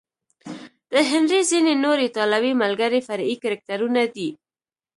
د هنري ځینې نور ایټالوي ملګري فرعي کرکټرونه دي.